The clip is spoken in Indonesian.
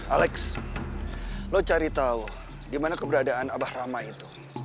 alex lo cari tahu di mana keberadaan abah rama itu